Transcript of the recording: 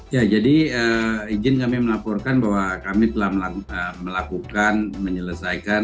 ya jadi izin kami melaporkan bahwa kami telah melakukan menyelesaikan